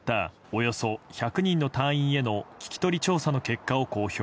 およそ１００人の隊員への聞き取り調査の結果を公表。